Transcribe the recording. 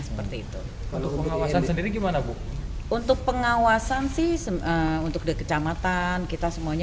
seperti itu untuk pengawasan sendiri gimana bu untuk pengawasan sih untuk di kecamatan kita semuanya